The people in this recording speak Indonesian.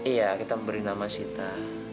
iya kita memberi nama sita